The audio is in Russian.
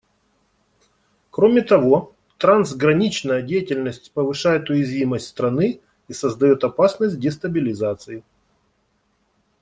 Кроме того, трансграничная деятельность повышает уязвимость страны и создает опасность дестабилизации.